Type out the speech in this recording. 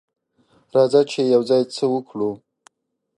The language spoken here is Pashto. راځه چې یوځای څه وکړو.